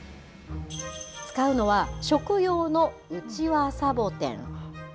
使うのは、食用のウチワサボテン。